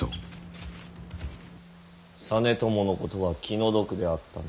実朝のことは気の毒であったな。